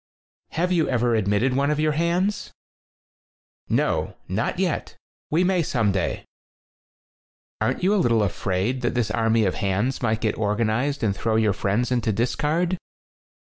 "Have you ever admitted one of your hands?" "No, not yet. We may some day." "Aren't you a little afraid that this army of hands might get organized and throw your friends into the dis card